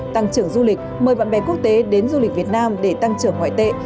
tăng trưởng du lịch mời bạn bè quốc tế đến du lịch việt nam để tăng trưởng ngoại tệ